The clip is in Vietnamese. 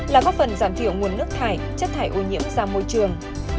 là góp phần giảm thiểu nguồn nước thải chất thải ô nhiễm ra môi trường